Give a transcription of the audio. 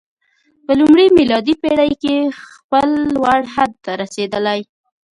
په لومړۍ میلادي پېړۍ کې خپل لوړ حد ته رسېدلی.